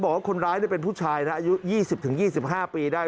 บอกว่าคนร้ายเป็นผู้ชายนะอายุ๒๐๒๕ปีได้